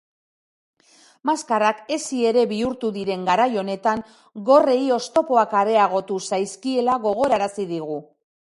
Maskarak hesi ere bihurtu diren garai honetan gorrei oztopoak areagotu zaizkiela gogorarazi digu.